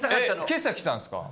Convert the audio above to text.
今朝来たんですか？